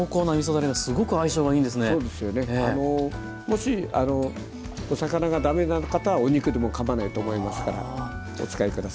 もしお魚が駄目な方はお肉でもかまわないと思いますからお使い下さい。